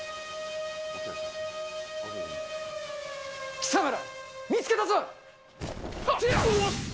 貴様ら、見つけたぞ。